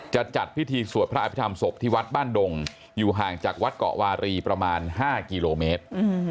จัดพิธีสวดพระอภิษฐรรมศพที่วัดบ้านดงอยู่ห่างจากวัดเกาะวารีประมาณ๕กิโลเมตร